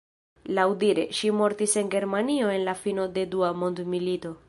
Laŭdire, ŝi mortis en Germanio en la fino de Dua Mondmilito.